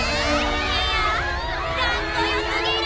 いやんかっこよすぎる！